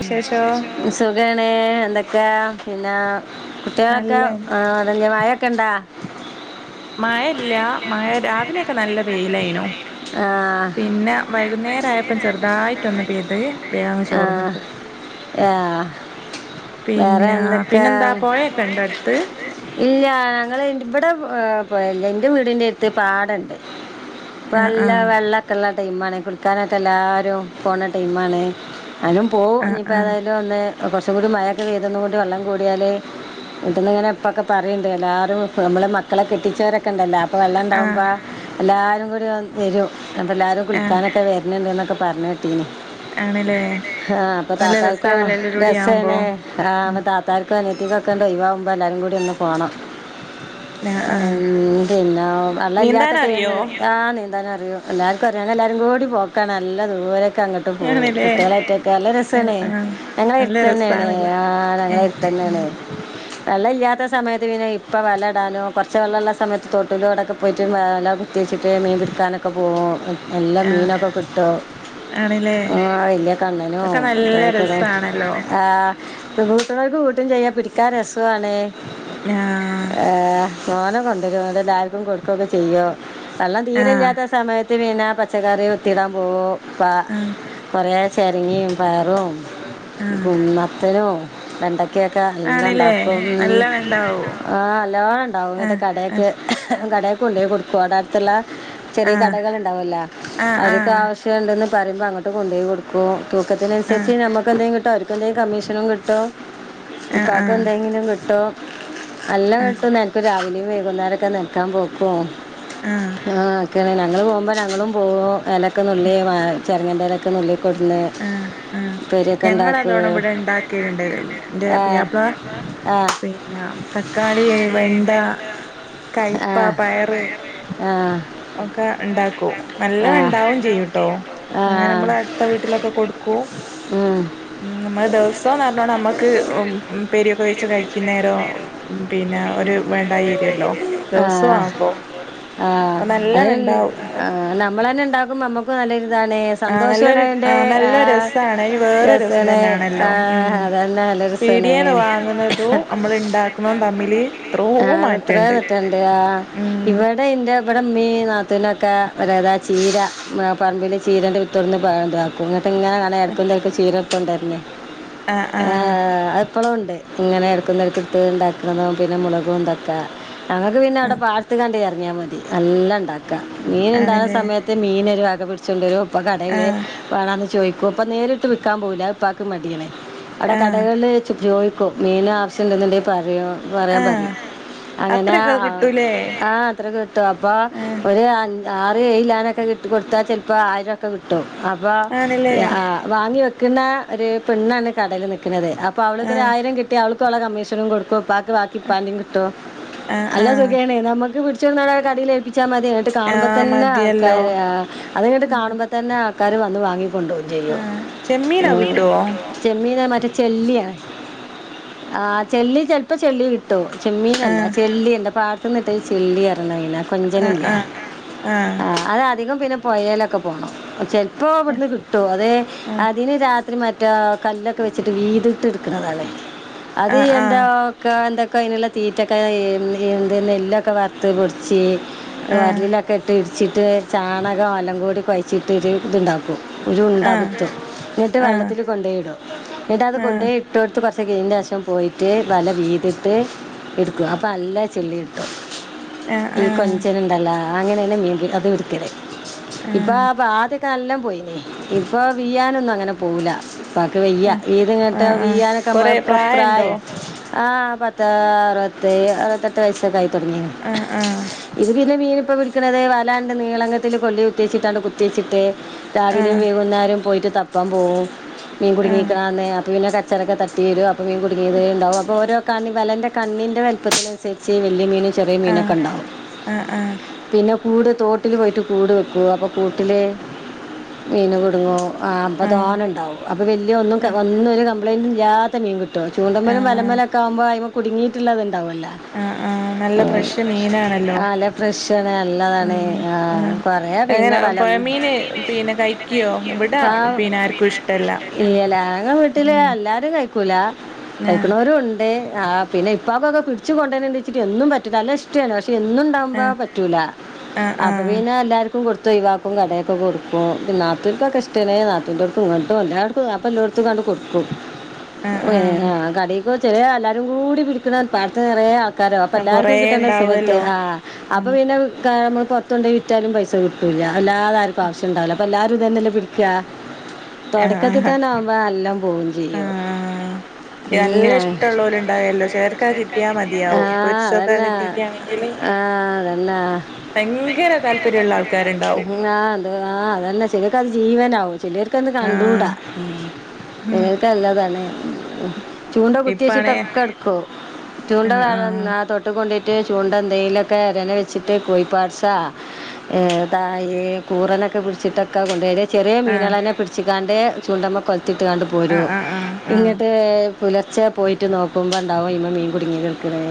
വിശേഷോ സുഖാണ് എന്തൊക്കെ പിന്നെ കുട്ടികളൊക്കെ നല്ലന്നെ ആർ മായായൊക്കെ ഇണ്ടാ മഴ ഇല്ല മഴ രാവിലെയൊക്കെ നല്ല പെയിലായിനോ ആ പിന്നെ വൈകുന്നേര ആയപ്പം ചെറുതായിട്ട് ഒന്ന് പെയ്ത് വേഗങ് ആ ചോർന്നക്ക് ആ വേറെ പിന്നെ എന്തൊക്കാ പിന്നെന്താ പൊഴയൊക്കെ ഇണ്ടോ അടുത്ത് ഇല്ല ഞങ്ങള് ഇവിടെ എന്റെ വീടിന്റെ അടുത്ത് പാടണ്ട് ആഹ് നല്ല ആഹ് വെള്ളമൊക്കെള്ള ടൈമാണ് കുളി ക്കാനായിട്ട് എല്ലാരും പോണ ടൈമാണ് ഞാനും പോവും ഇനിയിപ്പോൾ ആഹ് ഏതായാലും ഒന്ന് കുറച്ചും കൂടി മഴൊക്കെ പെയ്തന്ന് കൊണ്ട് വെള്ളം കൂടിയാൽ വീട്ടന്ന് ഇങ്ങനെ ഇപ്പൊക്കെ പറയണ്ട് എല്ലാരും നമ്മള് മക്കളെ കെട്ടിച്ചവരൊക്കെ ഉണ്ടല്ലോ അപ്പ വെള്ളം ആഹ് ആഹ് ഉണ്ടാവുമ്പോ എല്ലാവാരും കൂടി വരും ന എല്ലാവരും ആഹ് കുളിക്കാനൊക്കെ വരരുന്നുണ്ട് ഒക്കെ പറഞ്ഞു കേട്ടീന് ആണ്ല്ലേ ആ അപ്പൊ നല്ല താത്താർക്കും രസാണല്ലേ എല്ലരൂടി ആവുമ്പോ രസണ് ആ ഉം താത്താർക്കും അനി വെക്കണ്ട ഒയ്യവുമ്പോ എല്ലാവരും കൂടി അങ് പോണം ആഹ് ആഹ് ഉം പിന്ന വെള്ള ഇല്ലാത്ത നീന്താനറിയോ ടൈമില് എന്താന്ന് അറിയോ എല്ലാവക്കും അറിയാവുന്ന എല്ലാരും കൂടി പോക്കാണ് നല്ലതുപോലെ ഇക്ക അങ്ങോട്ട് പോവും ആണ്ല്ലേ കുട്ടികളായിട്ടൊക്കെ നല്ല ആഹ് രസണേ ആഹ് ഞങ്ങളെ അടുത്തു നല്ല തന്നെയേണേ രസാണല്ലേ ആ ഞങ്ങള ഏഹ് അടുത്തന്നേണ്. ആഹ് വെള്ള ഇല്ലാത്ത സമയത്ത് പിന്നെ ഇപ്പ വല ഇടാനോ കൊറച്ച് വെള്ളോള്ള സമയത്ത് തോട്ടിലൂടെക്കെ പോയിട്ട് വെ വല കുത്തി കിട്ടിയ മീൻ പിടക്കാനൊക്കെ പോകും. എ എല്ലാ ആഹ് മീനൊക്കെ കിട്ടും ആണ്ല്ലേ ആ ഇല്ല അതൊക്കെ കണ്ണനോം നല്ല തെരക്കെക്കെ രസാണല്ലോ ആ കു കൂട്ടുള്ളർക്ക് കൂട്ടും ചെയ്യാ പിടിക്കാൻ രസാണേ ആഹ് ആ തേനെ കൊണ്ടരോ അവിടെ എല്ലാർക്കും കൊടുക്കൊക്കെ ചെയ്യോ വെള്ളം തീരെ ആഹ് ഇല്ലാത്ത സമയത്ത ഇത്തി മീനാ പച്ചക്കറി കുത്തിടാ പോവോ ക ആഹ് കൊറേ ചേരിങ്ങി പയറും ആഹ് കുന്നത്തനും വെണ്ടക്കേക്ക എല്ലാം ആണ്ല്ലേ ഉണ്ടാക്കും. നല്ലോണം ഇണ്ടാവോ ആ എല്ലാം എണ്ടാവും ഇങ്ങിട്ട് ആഹ് കടേക്ക് കട കൊണ്ടോയ് കൊടുക്കും അടെ അടുത്തുള്ള ചെറിയ ആഹ് കടകൾ ഇണ്ടാവേല, ആഹ് അവര്ക്ക് ആഹ് ആവശ്യംണ്ടെന്ന് പറയുമ്പ അങ്ങോട്ട് കൊണ്ടോയ് കൊടുക്കും. ആഹ് തൂക്കത്തിനുസരിച്ച് നമുക്ക് എന്തെങ്കു കിട്ടും. അവര്ക് എന്തെങ്കിലും കമ്മീഷനും കിട്ടും. ആഹ് ആഹ് ഇപ്പാക്ക് ആഹ് എന്തെങ്കിലും കിട്ടോ അല്ല ആഹ് കിട്ടും നിനക്ക് രാവിലെയും വൈകുന്നേരൊക്കെ നനക്കാൻ പോക് പോക് ആ ഒക്കനെ ഞങ്ങള് പോകുമ്പ ഞങ്ങളും പോകും ഇലക്ക നുള്ളിയേ ചെറങ്ങൻ്റെ ഇലക്ക നുള്ളി എ ഞങ്ങ അതോണം ഇവിടെ ഇണ്ടാക്കിയിണ്ട്, എന്റെ ആ പിയാപ്ള ആ പിന്ന തക്കാളി, വെണ്ട, ആ കയ്പ, പയറ് ആ ഒക്കെ ഉണ്ടാക്കൂ ആ നല്ലേണം എണ്ടാവും ചെയ്യൂട്ടോ. ആ അങ്ങനെ നമ്മൾ അടുത്ത വീട്ടിലൊക്കെ കൊടുക്കൂ ഉം, നമ്മള് ദിവസംന്ന് പറഞ്ഞോണം നമ്മ ക്ക് അം ഉം പെരിയൊക്കെ വെച്ച് കഴിക്കുന്നേരോ പിന്ന ആ ഒരു വെണ്ടായരിയല്ലോ. ദെവസോആവുമ്പോ ആ അതല്ലെ ആ നമ്മള് തന്നെ എണ്ടാക്കുമ്പ നമ്മുക്ക് നല്ല ഇത് അതാണേ ആഹ് സന്തോഷാണ് നല്ലൊരു അയിന്റെ ആഹ് ആ നല്ല രസാണ് അയിന് വേറൊരു രസോല്ലേ ആ അതന്നെ നല്ല പീടിയന്ന് രസമാണ് വാങ്ങുന്നതും മ്മ ള് ഇണ്ടാക്കുന്നതും തമ്മില് എത്രോം മാറ്റണ്ട് ഇവിടെ ആ ഉം ഇവടെ എന്റെ ഇവിടെമ്മീ നാത്ത് പിന്നക്കെ വരാതാ ചീര ആപറമ്പില് ചീരേന്റ വിത്തിർന്ന് ഇതാ ക്കുംങ്ങനെ ഇങ്ങനെ കാണ അടുത്തള്ളവർക്കും ചീരടുത്തണ്ടായിരുന്നേ. ആഹ് ആഹ് ഇപ്പളും എണ്ട് ഇങ്ങനെ എടുക്കുന്ന വിത്ത് വിത്ത് ഇണ്ടാക്കണതും, പിന്നെ മുളകും ഉണ്ടാക്ക ഞങ്ങക്ക് പിന്ന അവിട ആഹ് പാടത്ത് ദണ്ടെ എറങ്ങിയാ മതി, നല്ല ഇണ്ടാക്കാം മീൻ ഉണ്ടാകുന്ന ആണ്ല്ലേ സമയത്ത് മീന്‌രുവാ ക്കെ പിടിച്ചൊണ്ട് വരും ഉപ്പ കടയിൽ ആഹ് വേണമന്ന് ചോയിക്കും അപ്പ നേരിട്ട് വിക്കാൻ പോവൂല്ല ഉപ്പാക്കും മടിയണെ അവിട ആഹ് കടകളില് ചെ ചോദിക്കോ മീന ആവശ്യണ്ടെന്നുണ്ടെ പറയോ പറയാൻ ആഹ് പറയും അങ്ങനെ അത്രയൊക്കെ ആ കിട്ടൂലേ ആ അത്ര കിട്ടും അപ്പ ആഹ് ഒരു ആ ആറ് ഏഴ് ലാനൊക്കെ ഇട്ടു കൊടുത്താൽ ചെലപ്പ ആയിരൊക്കെ കിട്ടും. അപ്പ ആണ്ല്ലേ എ ആ വാങ്ങി വെക്കുന്ന ഒരു പെണ്ണാണ് കടല് നിക്കണതെ. അപ്പ അവള്ക്ക് ആഹ് ഒരായിരം കിട്ടിയാ അവള്ക്ക് അവള കമ്മീഷനും കൊടുക്കൊ ഉപ്പാക്ക് ബാക്കി ഉപ്പാന്റെ കിട്ടും. ആഹ് അല്ല ആഹ് സുഖേണ നമുക്ക് പിടിച്ചു കൊണ്ട്ന്നട കടേലേപ്പി ച്ചാൽ മതി എന്നങ്ങിട്ട് കാണുമ്പ ആഹ് തന്നെ മതിയല്ലോ ആൾക്കാര് ആ അത്ങ്ങിട്ട് ആഹ് കാണുമ്പ തന്നെ ആൾക്കാര് വന്ന് വാങ്ങി കൊണ്ട് ചെയ്യും. ആഹ് ചെമ്മീനോ ആ കിട്ടുവോ ചെമ്മീനോ മ ചെല്ലിയാ ആ ചെലപ്പ ചെല്ലി കിട്ടും. യല്ല ആഹ് ചെള്ളിയല്ല പാടത്തന്നിട്ട് ചെള്ളി എറങ്ങണന ആഹ് കൊഞ്ചനല്ല ആഹ് അ അതാ അധികം പിന്നെ പുയേലൊക്കെ പോണം. ചെലപ്പോ ഇവിടുന്ന് കിട്ടുവ അതെ ആഹ് അതിന് ജാത് മറ്റ ആ കല്ലൊക്കെ വെച്ചിട്ട് വീതിട്ട് ടെടുക്കുന്നതാണല്ലേ, അത് ആഹ് ആഹ് എന്താക്കെഎന്തക്ക അയ്നുള്ള തീറ്റെക്കെ എ എന്ത് നെല്ലൊക്കെ വറുത്ത് കൊടിച്ച് ആഹ് വരലിലൊക്കെ ഇട്ട് ച്ചിട്ട് ചാണകം എല്ലാം കൂടി കുഴച്ചിട്ട് ഇത് ഇത്ണ്ടാക്കും. ഒരു ആഹ് ഉണ്ടാപത്ത് എന്നിട്ട് ആഹ് ആഹ് ആഹ് വെള്ളത്തില് കൊണ്ടോയിടും, എന്നിട്ട് അത് ആഹ് കൊണ്ടാേയി ഇട്ടോടത്ത് കൊറച്ച് ഇപ്പ കിഴിന്റശം പോയിട്ട് വല വീതിട്ട് എടുക്കും അപ് നല്ല ചുള്ളി കിട്ടും, ആഹ് ഈ ആഹ് കൊഞ്ചിനുണ്ടല്ലോ അങ്ങനെണ് [unintelligible] മീൻപീര അത് ഒരുക്കരെ [unintelligible] ഇപ്പൊ ആഹ് അപ്പ ആദ്യൊക്കെയെല്ലാം പോയിനേ ഇപ്പൊ വീയാനൊന്നും അങ്ങനെ പോവൂല്ല. ഇപ്പക്ക് വെയ്യ ആഹ് വീത് ഇങ്ങോട്ട് [unintelligible] ആഹ് വീയാനൊക്കെ കൊറെ നമ്മള് പ്രായണ്ടോ പ്രായം ആ പത്ത് അറുത്തേഴ് അറുപത്തെട്ട് വയസൊക്കെ ആയി തുടങ്ങീന് ആഹ് ആഹ് പിന്നെ മീൻ ഇപ്പോൾ പിടിക്കുന്നത് വലാന്റെ നീളങ്കത്തിൽ കൊല്ലി കുത്തിച്ചിട്ടാണോ കുത്തിച്ചിട്ട് രാവിലേം ആഹ് വൈകുന്നേരോം പോയിട്ട് തപ്പാൻ പോവും മീൻ ആഹ് കുടുങ്ങീക്കണാർടെയാ അപ്പൊ പിന്നെ സെ ചെലൊക്കെ തട്ടിവീഴും അപ്പം മീൻ കുടുങ്ങിയതേ ഉണ്ടാവൂ അപ്പോ ഓരോ കണ്ണി വലേന്റെ കണ്ണീന്റെ വലപ്പത്തിനനുസരിച്ചേ വല്യ മീനും ചെറിയ ആഹ് മീനൊക്കെ ഒണ്ടാവൂ ആഹ് ആഹ് പിന്നെ കൂട് തോട്ടില് പോയിട്ട് കൂട് വെക്കും അപ്പോൾ കൂട്ടില് മീന് കുടുങ്ങും ആ അപ്പം ആഹ് ആഹ് തോനെ ഒണ്ടാവും അപ്പം വല്യ ഒന്നും ഒന്നൊരു കംപ്ലയിന്റും ഇല്ലാത്ത മീൻ കിട്ടും ട്ടും ചൂണ്ടമേലും ആഹ് വലമേലൊക്കെ ആവുമ്പോ അയ്മേൽ കുടുങ്ങിയിട്ടുള്ളത് ണ്ടാവല്ലോ നല്ല ഫ്രഷ് മീന് അയല ഫ്രഷ് നല്ലതാണ് ഉം ആ ആഹ് കുറേ എങ്ങനെ പിന്നെ പ വലം മീന് പിന്നെ കയിക്കുവോ ഇവിടാ പിന്നെ ആർക്കും ഇഷ്ടല്ല എലാങ്ങ വീട്ടില് ഉം എല്ലാരും കഴിക്കൂല ആഹ് കഴിക്കുന്നവരും ഒണ്ട് ആ പിന്നെ ഇപ്പൊക്കൊക്കെ പിടിച്ചു കൊണ്ടുരുന്നുണ്ടേ വച്ചിട്ട് എന്നും പറ്റൂല്ല അല്ലെ ഇഷ്ടമാണ് പക്ഷെ എന്നുണ്ടാവുമ്പോ ആഹ് പറ്റൂല ആഹ് അപ്പൊ ആഹ് പിന്നെ എല്ലാർക്കും ക്കും കൊടുത്തൊയിവാക്കും കടയൊക്കെ കൊടുക്കും പിന്നെ നാത്തൂർക്കൊക്കെ ഇഷ്ടാണെ നാത്തൂന്റടുത്തും ഇങ്ങട്ടും എല്ലാടുക്കും വാപ്പ ഇള്ളടു ത്തു കണ്ട് കൊടുക്കും ആഹ് ആ ആഹ് കറിയൊക്കെ വെച്ച് എല്ലാരും കൂടി പിടിക്കുന്ന പാടത്ത് നിറ കാരാ അപ്പൊ ആ കൊറേ എല്ലാർക്കും കിട്ടേണ്ട സമയത്ത് ഉണ്ടാവല്ലോ ആ അപ്പൊ ഉം പിന്നെ വിൽക്കാനോന്നും പൊറത്തുകൊണ്ടോയി വിറ്റാലും പൈസ കിട്ടൂല്ല അല്ലാതാർക്കും ആവശ്യം ഉണ്ടാവില്ല അപ്പൊ എല്ലാരും ഇതന്നല്ലേ പിടിക്കാ ആഹ് തൊടക്കത്തി ആഹ് തന്നെ ആവുമ്പോ എല്ലാം പോവേം ചെയ്യും ആഹ് ഉം, നല്ല ആ ഇഷ്ടൊള്ളോരിണ്ടായലും ചെലർക്കത് കിട്ടിയാ ആ, മതിയാവും പൊരിച്ചൊക്കെ അതന്നെ കിട്ടിരിക്കയാണെങ്കില് ആ അതന്നെ ഭയങ്കര താല്പര്യവുള്ള ആൾക്കാരുണ്ടാവും. ക്കത് ജീവനാവും ചിലർക്കത് ആഹ് കണ്ടൂടാ ഉം നിങ്ങക്ക് എന്താനാണ് ചൂണ്ട കുത്തി ഇപ്പാണേ വെച്ചിട്ടൊക്കെ എടുക്കും ചൂണ്ട ആഹ് വേ [unintelligible] തോട്ടികൊണ്ടോയ് ത്തിയ ചൂണ്ട കൊണ എന്തെങ്കിലു ലൊക്കെ അതിൽ വെച്ചിട്ട് കോയി പാഴസ ഏതാ ഈ കൂറേനൊക്കെ പിടിച്ചിട്ടൊക്കാ കൊണ്ടുവര ചെറിയ ആഹ് മീനുകളെയെല്ലാം പിടിച്ചിക്കാണ്ട് ചൂണ്ടെമ്മെ കൊലുത്തിട്ടാണ്ട് പോരും ആഹ് ആഹ് ആഹ് ആഹ് ആഹ് ഇങ്ങിട്ട് പുലർച്ചെ പോയിട്ട് നോക്കുമ്പോ എന്താവും അയിമ്മേ മീൻ കുടുങ്ങി നിൽക്കിണ്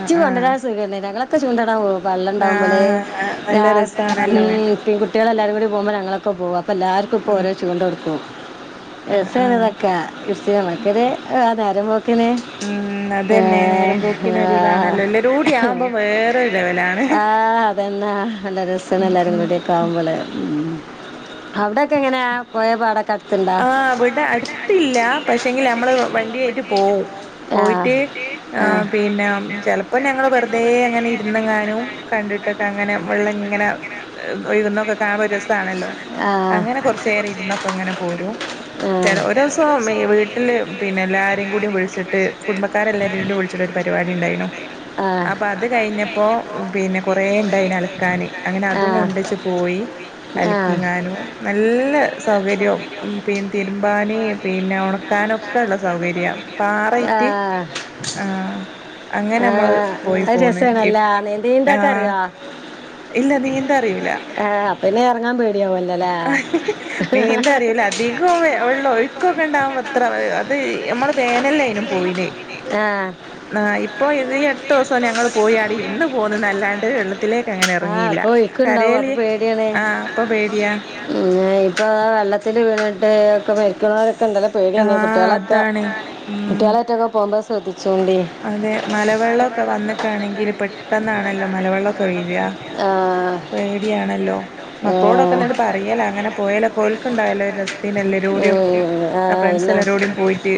ആഹ് ആഹ് കൊണ്ടരാൻ സുഖല്ലേ ഞങ്ങളൊക്കെ ചൂണ്ടെടാൻ പോവും വെള്ളം ഉണ്ടാവുമ്പോലേ ആഹ് നല്ല ഞാൻ രസാണല്ലോ മം പെൺകുട്ടികളെല്ലാരും കൂടി പോവുമ്പോഴാണ് ഞങ്ങളൊക്കെ പോവ അപ്പോ എല്ലാർക്കും ആഹ് ഇപ്പോരോ ചൂണ്ട കൊടുക്കും ആഹ് ആഹ് രസാണതൊക്കെ [unintelligible] നേരം പോ ഉം അതന്നെ നേരം പോക്കിനൊരിതാണല്ലോ എല്ലാരൂടിയാവുമ്പം വേറെ ലെവലാണ് ആ അതന്നാ നല്ല രസാണ് ഉം എല്ലാരും ഉം കൂടിയൊക്ക ആവുമ്പലെ ഉം അവിടെയൊക്കെ എങ്ങനെയാ പൊയയോ പാടൊക്ക അടു ആ ഇവടെ അടുത്തില്ല പക്ഷെങ്കിലമ്മള് വണ്ടിയായിട്ട് പോവും ആ പോയിട്ട് ആ പിന്നെ ചെലപ്പോ ഞങ്ങള് വെറുതെ അങ്ങനെ ഇരുന്നെങ്ങാനും കണ്ടിട്ട് റ്റത്തങ്ങനെ വെള്ളം ഇങ്ങനെ ഒഴുകുന്നയൊക്കെ കാണുമ്പൊരു രസ സാണല്ലോ ആ അങ്ങനെ കൊറച്ചു നേരം ഇരുന്നപ്പം ഇങ്ങനെ പോരും ചെല ഒരു ഒരുസം വീട്ടില് പിന്നെ എല്ലാരേം കൂടി വിളിച്ചിട്ട് കുടുംബക്കാരെ എല്ലാരൂടി വിളിച്ചിട്ട് പരിപാടി ഉണ്ടായീനു ആഹ് അപ്പൊ അത് കഴിഞ്ഞപ്പോ ഉം പിന്നെ കൊറേ ഉണ്ടായീന് അലക്കാന് അങ്ങനെ അതും കൊണ്ടച്ച് പോയി ആ കാനും നല്ല സൗകര്യോം ഉം പി തിരുമ്പാന് പിന്നെ ഒണക്കാനൊക്കെ ഒള്ള സൗകര്യം പാറയിറ്റ് ആഹ് ആ അങ്ങനെമ്മൾ ആഹ് പോയി അത് പോന്ന് ഈ രസാണല്ലോ ആ നീന്തീന്തൊക്കെ അറിയോ ഇല്ല നീന്താറിയൂല പിന്നെയെറങ്ങാൻ പേടി നീന്തറിയൂല അധികം വെള്ളോ യുക്കൊക്കെണ്ടാവുമ്പത്ര അത് ഞമ്മള് വേനൽനെയിനും പോയിനെയ് ആ ആ ഇപ്പൊ ഇതീ അടുത്ത്വസാ ഞങ്ങള്പോയി അടിര്ന്നുപോന്നുന്നല്ലാണ്ട് വെള്ള തിലേക്ക്അങ്ങനെ ആഹ് ഇറങ്ങിയില്ല അപ്പൊ ഒഴുക്കുണ്ടാവും കരയല് ആ അപ്പൊപേടിയാ പിന്നെ ഇപ്പൊതാ വെള്ളത്തില് വീണ ഒക്കെ മരിക്കുന്നവരൊക്കെ ആ പേടിയെയിനിം കുട്ടിയളൊക്കെ അതാണ് ഉം കുട്ടിയ ളെറ്റൊക്കെ പോകുമ്പോശ്രദ്ധിച്ചു അതെ മലവെള്ളവൊക്കെ വന്നിക്കാണെങ്കിൽ പെട്ടെന്നാണല്ലോ മലവെള്ളവൊക്കെവെ ര ആഹ് പേടിയണല്ലോ മക്കളോടൊക്കെന്നട്ട് പറയലങ്ങനെ പോയേൽക്കോല് ക്കണ്ടായലൊരെസായിനിം എല്ലരോടെയൊപ്പം ഫ്രണ്ട്സ് എല്ലരോടെയും പോയിട്ട്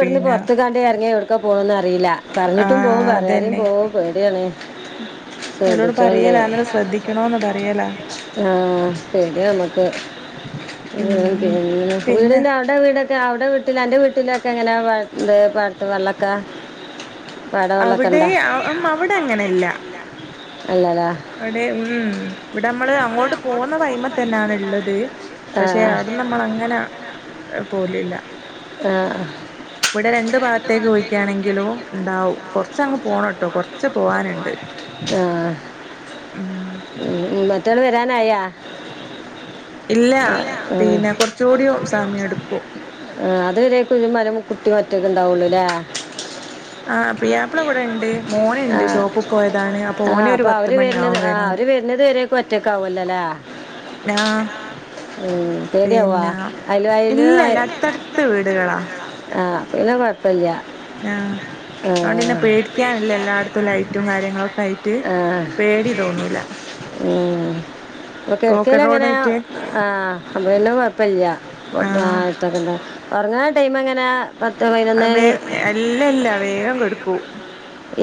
പിന്നെ എവ്ട്ക്ക പോ പോവ്ന്നറീല ആ പറഞ്ഞിട്ടും പോവും പറയാതിംപോവും പേടിയാണ് ഓനോട്‌പറയലാണ് ശ്രദ്ധിക്കണോന്ന് പറ ആ ശരി നമ്മക്ക് ഉം [unintelligible] പിന്നെ വീടിന്റെ അവിടെവീട അവ്ടെ വീട്ടിൽ അന്റെ വീട്ടിലൊക്കെങ്ങനെ പാടത്ത് വെള്ളൊക്കെ പാടവെള്ളൊക്കെ അവിടെ ഇണ്ടാ ആ അവിടെങ്ങനെല്ല അല്ലല്ലേ അവിടെ ഉം ഇവിടെമ്മള് അങ്ങോട്ട് പോകുന്നത് അയ്മത്തന്നേണ്ള്ളത് പക്ഷെ അവിടെ നമ്മള്ങ്ങനെ പോലില്ല ആ ഇവിടെരണ്ടുഭാഗത്തേക്ക് പോയിക്കാണെങ്കിലുംണ്ടാവും കുറചങ്ങ് പോണട്ടോ കൊർച്ച് പോവാന്ണ്ട് ആ ഉ മറ്റൊള് വരാനായാ ഇല്ല പിന്നെ കുറച്ചുകൂടി കുറച്ചൂടി ഉണ്ട് സമയം എടുക്കും ആ ആ ഇതുവരെക്കുംമരം കുട്ടിയൊറ്റൊക്ണ്ടാവുള്ളുല്ലേ ആ പുയ്യ്യപ്പിളവിടെണ്ട് മോന്ണ്ട് ഷോപ്പ്പോയതാണ് ആ അപ്പൊവര്വരുന്നത് ആ അവര്വരുന്നത് വരേക്കൊറ്റാവല്ലോല്ലേ ആ പേടിയാവാ പിന്നെ അയല് അയല് ഇല്ലല്ല അട്ത്തട്ത്ത് വീട്കളാ ആ അപ്പപിന്നെ കൊഴപ്പല്ല്യ ആ അതൊണ്ട്ന്നെ പേടിക്കാനില്ലല്ലാ ട്ത്തും ലൈറ്റും കാര്യങ്ങളൊക്കെയി ആ ആ ഇപ്പൊ പോക്കറ്റ് കിടക്കലെങ്ങന റോഡായിട്ട് ആ അപ്പോപ്പിന്നെ കൊഴപ്പില്ല്യ ആഹ് ഉറങ്ങാന്ടൈമങ്ങന ആ വേഗ അല്ല അല്ല വേഗം കെടക്കും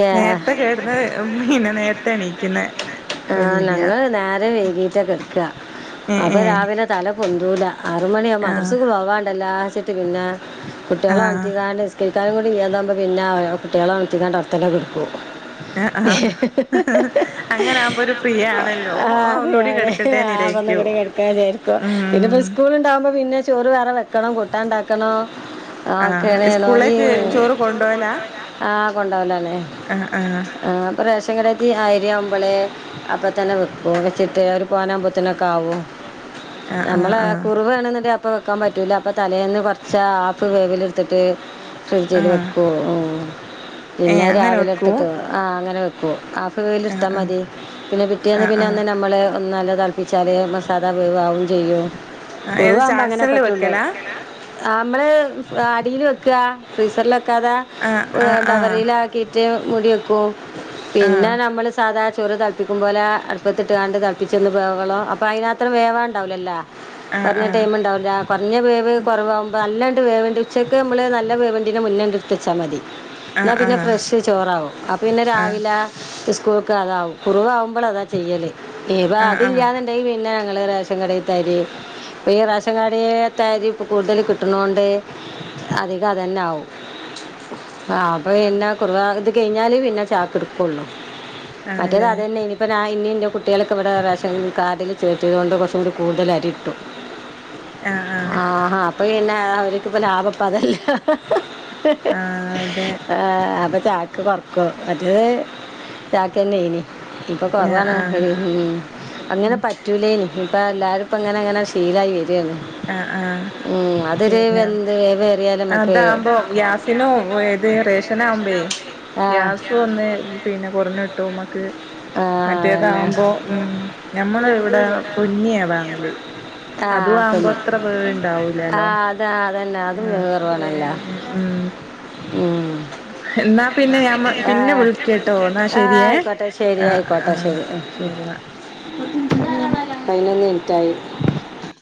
ഏഹ് നേരത്തെകേടന്ന് പിന്നെ നേരത്തെഎണീക്കണെ ആ ഞങ്ങള് നേരംവൈകീട്ടകെടക്ക ഏഹ് അപ്പൊ ഏഹ് രാവിലെ തലപൊന്തൂല ആറ്മണിയാവും ആഹ് മദ്രസ്ക്ക്പോവാണ്ടല്ലോചിട്ട്പിന്നെ ആഹ് കുട്ടിയാളെണൊത്തികാണ്ട് നിസ്ക കക്കാരും [unintelligible] കൂടില്ലാതാവുമ്പോ പിന്നെ കുട്ടിയാളൊണത്തിങ്ങാണ്ട് ഒറ്റക്കാണ്ട് ഇടക്കും ആഹ് ആഹ് [unintelligible] ആകുമ്പോ അങ്ങനെ ഒരു ഫ്രീ ആവുമ്പോരു ഫ്രീയാണ് ആണല്ലോ ആ ഒന്നുകൂടി ഫ്രീയാണ് ആ കിടക്കട്ടെന്ന് വിചാരിക്കും പ്പൊന്നുകൂടി കിടക്കവിചാരിക്കും പിന്നെപ്പ ഉം സ്കൂള്ണ്ടാവുമ്പോപിന്നെചോറ് വേറെവെക്കണം കൂട്ടാണ്ടാക്കണം [unintelligible] ആഹ് സ്കൂളിലേക്ക് ചോറ് കൊണ്ടോവലാ ആ കൊണ്ടാവലാണ് ആഹ് ആഹ് ആ പ്പ റേഷൻ കടീത്തെ [unintelligible] അപ്പതന്നെ വെക്കും വെച്ചിട്ട് അവര് പോനാമ്പോത്തിനൊക്കാവും ആഹ് ആഹ് അമ്മള് ആഹ് കുറുവേണ്ന്നീണ്ടെ അപ്പവെക്കാൻ പറ്റു റ്റൂല അപ്പൊതലേന്ന്കൊറച്ച് ആഫ് വേവില്ട്ത്തിട്ട് ആഹ് ഫ്രിഡ്ജിൽവെക്കോ ഉ ഏ പിന്നെ അങ്ങനെ വെക്കൂ രാവിലെട്തിട്ട് ആ അങ്ങനെ വെക്ക ഇഷ്ടാ ആഹ് ആഹ് മതി പിന്നെ പിട്ടിയന്ന് ആഹ് ആഹ് പിന്നെന്ന് നമ്മള് ഒന്നാൽ തിളപ്പിച്ചാൽ മസാല വേവ് ആവേ ചെയ്യും ആഹ് ഏത് കുറവാകുമ്പോ അങ്ങനെ ചാക്സണില് പറ്റുള്ളൂ വെക്കലാ നമ്മള് അടിൽ വെക്കുക- ഫ്രീസറൽ വെക്കാതെ- ആഹ് ആഹ് ഡവറിൽ ആാക്കിട്ട് മറ്റ മുടി വെക്കൂ ആഹ് പിന്നെ നമ്മൾ അതാ ചോറ് തളപ്പിക്കും പോലെ അടുപ്പത്തിട്ട് കാണ്ട് തിളപ്പിച്ചൊന്ന് [unintelligible] അപ്പോൾ അതിനത്രം വേവണ്ടാവില്ലല്ലോ ആഹ് കുറഞ്ഞ ആഹ് ടൈമ ഉണ്ടാവില്ല കുറഞ്ഞ വേവ് കുറവവുമ്പോ [unintelligible] [unintelligible] വേണ്ടി ഉച്ചക്ക് നമ്മ നല്ല വേവാവുന്നതിന് മുന്നങ്ങട്ട് എടുത്ത് വച്ചാൽ മതി എന്നാ ആഹ് ആഹ് ആഹ് പിന്നെ ഫ്രഷ് ചോറാവും അപ്പൊ പിന്നെ രാവിലെ [unintelligible] കുറവാകുമ്പോൾ അതാ ചെയ്യല് ഇപ്പ ആഹ് ആഹ് ആഹ് അതില്ലാന്നുണ്ടെിൽ പിന്നെ [unintelligible] റേഷൻ കടതേ അരി ഇപ്പൊ ഈ റേഷൻ കടതേ അരി ഇപ്പ കൂടുതൽ കിട്ടണണ്ട്- അധിക അതന്നെ ആവും ആ അപ്പൊ ആഹ് പിന്നെ കുറവാ ഇത് കഴിഞ്ഞാല് പിന്നെ ചാക്ക് എടുക്കള്ളു മറ്റേ ആണല്ലേ അത്തന്നെ ഇനിയിപ്പൊ [unintelligible] ഇനിം ഇൻ്റെ കുട്ടികളെക്കെ ഇവിടെ റേഷൻ കാർഡിൽ ചേർത്തി കൊണ്ട് കുറച്ചും കൂടി കൂടുതൽ അരി ഇട്ടു ആഹ് ആഹ് ആഹഹാ അപ്പൊ പിന്നെ അവരിക്കിപ്പോ ലാഭം ഇപ്പൊ അതല്ലേ ഹ്ഹ്ഹ് ആഹ് അതെ അപ്പൊ ചാക്ക് കൊറക്കും മറ്റേത് [unintelligible] തന്ന ഇനി ഇപ്പൾ ആഹ് കുറവാണ്- ആഹ് അങ്ങനെ പറ്റൂല ഇനി ഇപ്പ എല്ലാരും ഇപ്പ ഇങ്ങനെങ്ങനെ ശീലായി വരന്ന് ആഹ് ആഹ് പിന്നെ മ്മ് [unintelligible] അതാകുമ്പോ ഗ്യാസിനോ ഏത് റേഷന ആവുമ്പേ ആ ഗ്യാസ ഒന്ന് പിന്നെ കുറഞ്ഞുട്ടും മ്മക്ക് ആ അതന്നെ മറ്റേതകുമ്പോ ഉം ഞമ്മൾ ഇവിടെ പൊന്നിയാ വാങ്ങാല് ആ അതും ആവുമ്പോ പിന്നെ എത്ര പേരു ആ ഇണ്ടാവൂലാലോ- അതാ അതന്നെ അതും ആഹ വേവ് കുറവാണല്ലോ [unintelligible] ഉ ഉം ഉം എന്നാ പിന്നെ ഞാൻ പിന്നെ വിളിക്കട്ടോ ന്നാ ശെരിയേ ശരിയയിക്കോട്ടെ ശരി [unintelligible] [unintelligible]